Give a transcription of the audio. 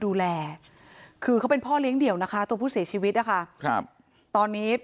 ดูแลคือเขาเป็นพ่อเลี้ยงเดี่ยวนะคะตัวผู้เสียชีวิตนะคะครับตอนนี้